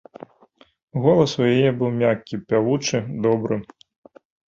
Голас у яе быў мяккі, пявучы, добры.